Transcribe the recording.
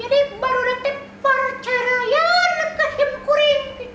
jadi baru datang percayaan ke simkuri